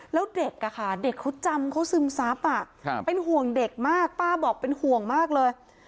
แล้วเด็กเขาจำเขาซึมซับเป็นห่วงเด็กมากป้าบอกเป็นห่วงมากเลย